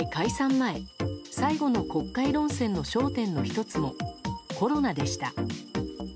前最後の国会論戦の焦点の１つもコロナでした。